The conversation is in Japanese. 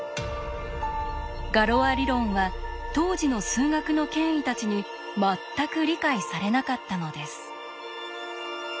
ガロア理論は当時の数学の権威たちに全く理解されなかったのです。